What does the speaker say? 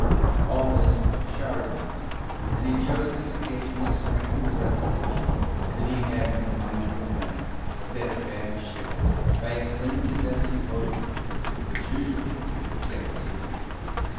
All this Shard knew, and he chose this occasion to strengthen the reputation that he had in the minds of the men of that bad ship by explaining to them his motives, which usually he kept secret.